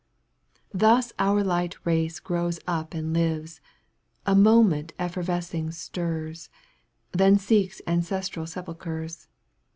Thus our light race grows up and lives, A moment effervescing stirs, Then seeks ancestral sepulchres.